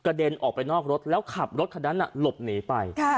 กระเด็นออกไปนอกรถแล้วขับรถขนาดนั้นน่ะหลบหนีไปค่ะ